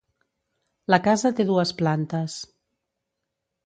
La casa té dues plantes.